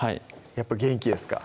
やっぱ元気ですか？